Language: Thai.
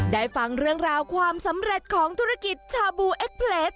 ได้ฟังเรื่องราวความสำเร็จของธุรกิจชาบูเอ็กเพลส